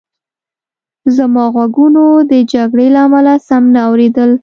زما غوږونو د جګړې له امله سم نه اورېدل